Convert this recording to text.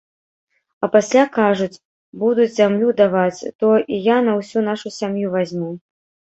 А пасля, кажуць, будуць зямлю даваць, то і я на ўсю нашу сям'ю вазьму.